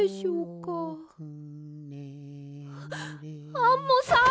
アンモさん！